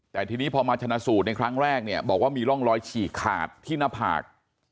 แต่ทีนี้พอมาชนะสูตรในครั้งแรกเนี่ยบอกว่ามีร่องรอยฉีกขาดที่หน้าผาก